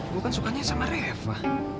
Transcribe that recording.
gue kan sukanya sama rieva